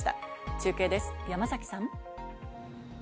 中継です、山崎さん。